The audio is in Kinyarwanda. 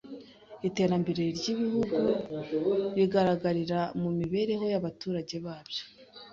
Iterambere ry’ibihugu rigaragarira mu mibereho y’abaturage babyo